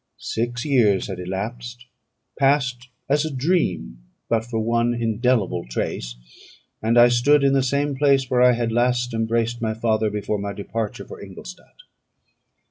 Six years had elapsed, passed as a dream but for one indelible trace, and I stood in the same place where I had last embraced my father before my departure for Ingolstadt.